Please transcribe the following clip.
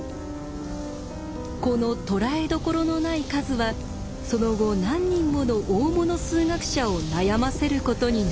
このとらえどころのない数はその後何人もの大物数学者を悩ませることになります。